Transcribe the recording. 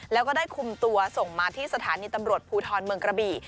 แล้วก็ได้คุมตัวส่งมาที่สถานีตำรวจภูทรเมืองกระบี่